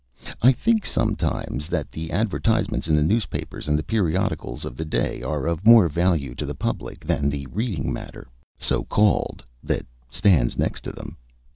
I think sometimes that the advertisements in the newspapers and the periodicals of the day are of more value to the public than the reading matter, so called, that stands next to them.